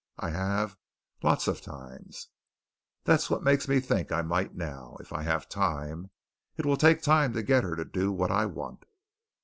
I have, lots of times. That's what makes me think I might now, if I have time. It will take time to get her to do what I want."